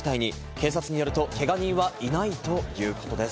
警察によると、けが人はいないということです。